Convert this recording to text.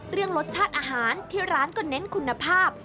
เรื่องรสชาติอาหารที่ร้านก็เน้นคุณภาพ